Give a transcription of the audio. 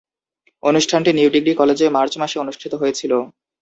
অনুষ্ঠানটি new degree কলেজে March মাসে অনুষ্ঠিত হয়েছিলো।